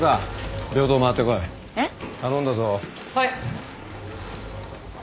はい。